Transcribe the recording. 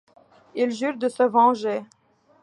Il jure de se venger.